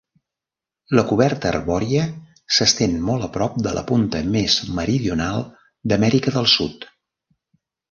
La coberta arbòria s'estén molt a prop de la punta més meridional d'Amèrica del Sud.